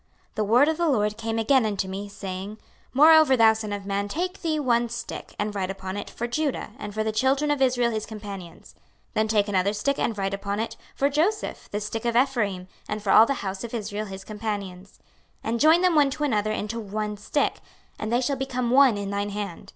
26:037:015 The word of the LORD came again unto me, saying, 26:037:016 Moreover, thou son of man, take thee one stick, and write upon it, For Judah, and for the children of Israel his companions: then take another stick, and write upon it, For Joseph, the stick of Ephraim and for all the house of Israel his companions: 26:037:017 And join them one to another into one stick; and they shall become one in thine hand.